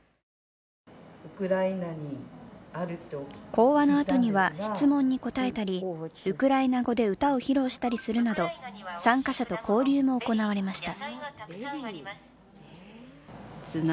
講話のあとには質問に答えたりウクライナ語で歌を披露したりするなど、参加者と交流も行われました。